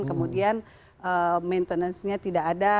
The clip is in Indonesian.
kemudian maintenance nya tidak ada